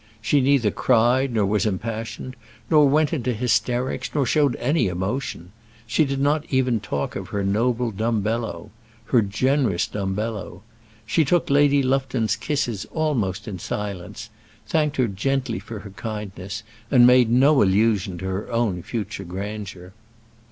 She neither cried, nor was impassioned, nor went into hysterics, nor showed any emotion. She did not even talk of her noble Dumbello her generous Dumbello. She took Lady Lufton's kisses almost in silence, thanked her gently for her kindness, and made no allusion to her own future grandeur.